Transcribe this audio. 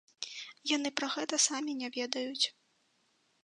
Яны пра гэта самі не ведаюць.